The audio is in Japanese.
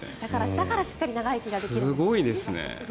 だから、しっかり長生きができるんですね。